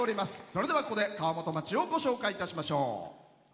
それでは、ここで川本町をご紹介いたしましょう。